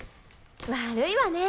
悪いわね。